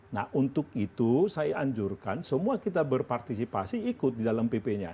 nah untuk itu saya anjurkan semua kita berpartisipasi ikut di dalam pp nya